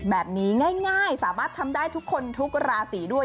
แบบนี้ง่ายสามารถทำได้ทุกคนทุกราศีด้วย